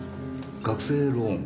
学生ローン？